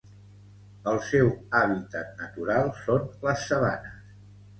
El seu hàbitat natural són les sabanes.